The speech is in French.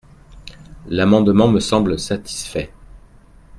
L’amendement me semble satisfait.